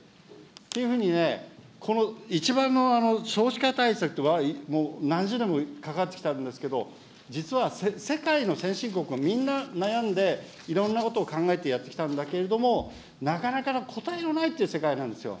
っていうふうにね、一番の少子化対策は、もう何十年もかかってきたんですけど、実は世界の先進国もみんな悩んで、いろんなことを考えてやってきたんだけれども、なかなか答えのないっていう世界なんですよ。